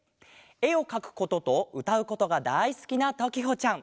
えをかくこととうたうことがだいすきなときほちゃん。